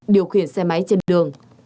điều khiển xe máy trên đường